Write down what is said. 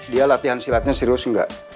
dia latihan silatnya serius enggak